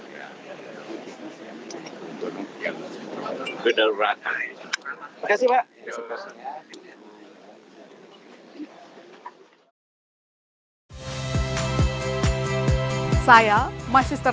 kamu sudah kenal dengan itu